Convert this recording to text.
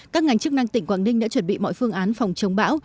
các ngành chức năng tỉnh quảng ninh đã chuẩn bị mọi phương án phòng chống bão